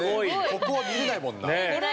ここは見れないもんな。